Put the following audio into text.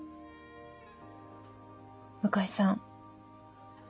向井さん。